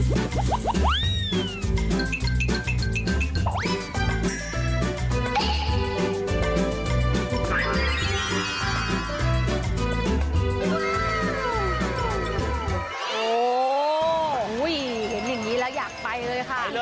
โอ้โหเห็นอย่างนี้แล้วอยากไปเลยค่ะ